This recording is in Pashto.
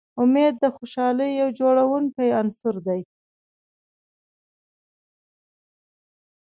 امید د خوشحالۍ یو جوړوونکی عنصر دی.